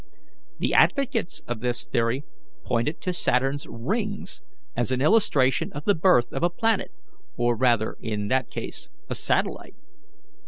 The advocates of this theory pointed to Saturn's rings as an illustration of the birth of a planet, or, rather, in that case a satellite.